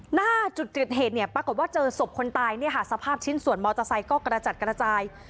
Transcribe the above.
หน้าจุดเกิดเหตุเนี่ยปรากฏว่าเจอศพคนตายเนี่ยค่ะสภาพชิ้นส่วนมอเตอร์ไซค์ก็กระจัดกระจาย